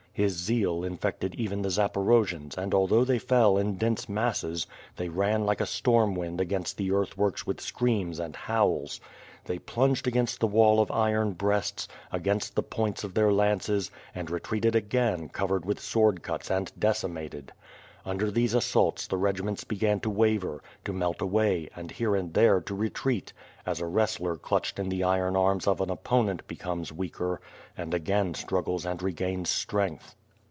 His zeal infecteil even the Zaporojians and although they fell in dense masses, they ran like a storm wind against the earthworks with screams and howls. They plunged against the wall of iron WITH FIRE AND SWORD. jgi breasts, against the points of their lances, and retreated again covered with sword cuts and decimated. Under these as saults the regiments began to waver, to melt away and here and there to retreat as a wrestler clutched in the iron arms of an opponent becomes weaker and again struggles and regains strength.